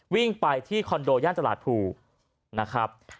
วิ่งไปที่คอนโดย่านตลาดภูนะครับ